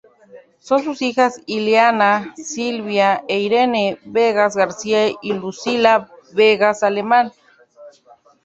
Son sus hijas Ileana, Silvia e Irene Vegas García y Lucila Vegas Alemán.